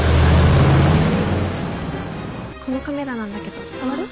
このカメラなんだけど触る？